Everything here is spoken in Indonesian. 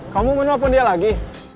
kamu mau nelfon dia lagi